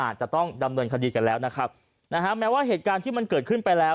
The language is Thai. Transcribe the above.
อาจจะต้องดำเนินคดีกันแล้วนะครับนะฮะแม้ว่าเหตุการณ์ที่มันเกิดขึ้นไปแล้ว